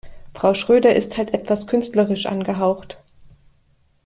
Frau Schröder ist halt etwas künstlerisch angehaucht.